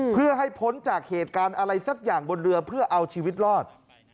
เพื่อให้พ้นจากเหตุการณ์อะไรสักอย่างบนเรือเพื่อเอาชีวิตรอด